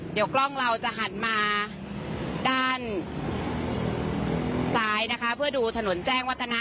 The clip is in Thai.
เดี๋ยวกล้องเราจะหันมาด้านซ้ายนะคะเพื่อดูถนนแจ้งวัฒนะ